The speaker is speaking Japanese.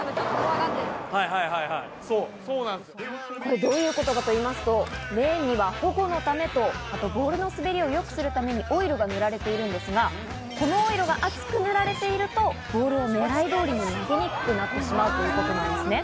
どういうことかといいますと、レーンには保護のためとボールの滑りを良くするためにオイルが塗られているんですが、このオイルが厚く塗られているとボールを狙い通りに曲げにくくなってしまうということなんですね。